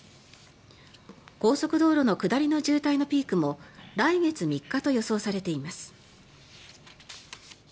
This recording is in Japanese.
高速道路の下りの渋滞のピークも来月３日と予想されています。